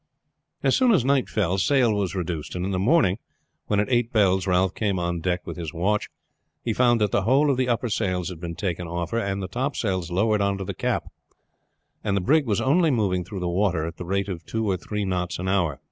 As soon as night fell sail was reduced, and in the morning when at eight bells Ralph came on deck with his watch he found that the whole of the upper sails had been taken off her and the topsails lowered on the cap, and the brig was only moving through the water at the rate of two or three knots an hour.